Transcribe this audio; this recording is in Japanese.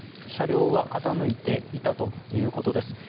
車両は傾いていたということです。